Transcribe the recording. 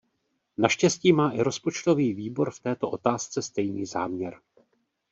Naštěstí má i Rozpočtový výbor v této otázce stejný záměr.